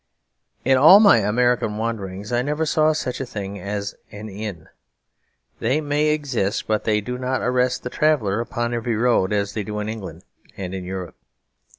In all my American wanderings I never saw such a thing as an inn. They may exist; but they do not arrest the traveller upon every road as they do in England and in Europe.